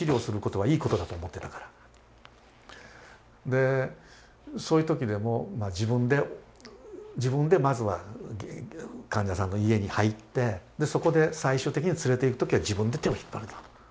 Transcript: でそういう時でも自分で自分でまずは患者さんの家に入ってそこで最終的に連れていく時は自分で手を引っ張ると。